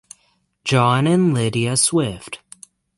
John and Lydia Swift.